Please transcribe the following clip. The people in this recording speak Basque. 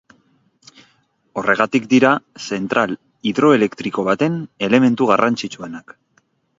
Horregatik dira zentral hidroelektriko baten elementu garrantzitsuenak.